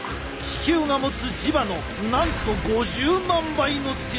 地球が持つ磁場のなんと５０万倍の強さ。